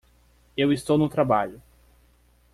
Eu estou no trabalho!